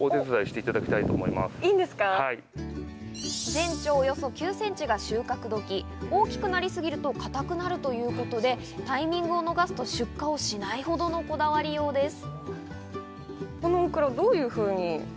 全長およそ９センチが収穫時、大きくなりすぎると硬くなるということで、タイミングを逃すと出荷をしないほどのこだわりようです。